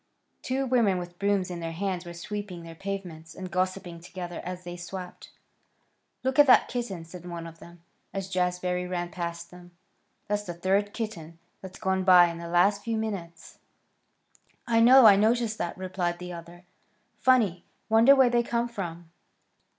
Two women with brooms in their hands were sweeping their pavements and gossiping together as they swept. "Look at that kitten," said one of them, as Jazbury ran past them. "That's the third kitten that's gone by in the last few minutes." "I know. I noticed that," replied the other. "Funny! Wonder where they come from!"